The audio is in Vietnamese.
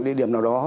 địa điểm nào đó